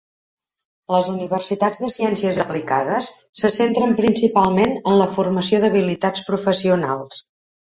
Les universitats de ciències aplicades se centren principalment en la formació d'habilitats professionals.